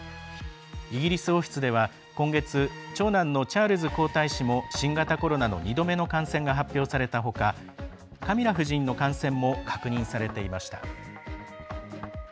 イギリス王室では今月長男のチャールズ皇太子も新型コロナの２度目の感染が発表されたほかカミラ夫人の感染も確認されていました。